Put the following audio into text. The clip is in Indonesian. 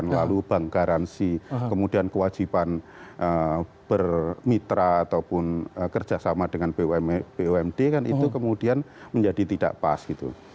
nah kalau itu kemudian dikenakan kewajiban bermitra ataupun kerjasama dengan bumd kan itu kemudian menjadi tidak pas gitu